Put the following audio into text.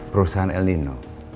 perusahaan el nino